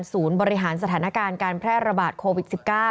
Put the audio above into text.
บริหารสถานการณ์การแพร่ระบาดโควิด๑๙